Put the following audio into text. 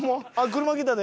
車来たで。